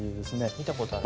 みたことある。